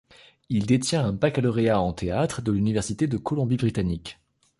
Il détient un baccalauréat en théâtre de l'Université de la Colombie-Britannique.